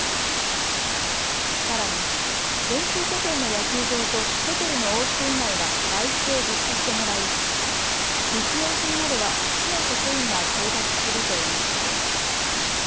さらに練習拠点の野球場とホテルの往復以外は外出を自粛してもらい日用品などは市の職員が調達するということです。